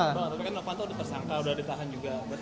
pak tapi kan nopanto sudah tersangka sudah ditahan juga